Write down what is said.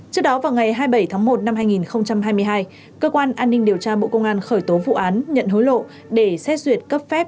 trước đó vào ngày hai mươi bảy tháng một năm hai nghìn hai mươi hai cơ quan an ninh điều tra bộ công an khởi tố vụ án nhận hối lộ để xét duyệt cấp phép